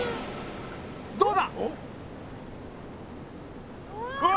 どうだ？わ。